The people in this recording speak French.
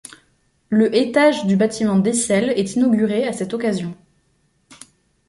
Le étage du bâtiment Decelles est inauguré à cette occasion.